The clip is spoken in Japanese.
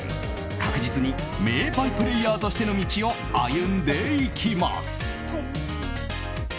確実に名バイプレーヤーとしての道を歩んでいきます。